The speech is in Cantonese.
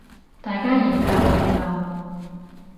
大家研究研究